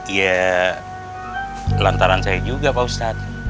ya lantaran saya juga pak ustadz